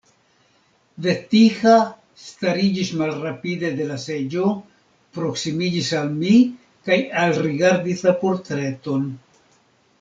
Vetiha stariĝis malrapide de la seĝo, proksimiĝis al mi kaj alrigardis la portreton.